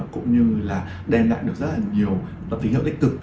cũng như là đem lại được rất là nhiều lập tính hợp lịch thực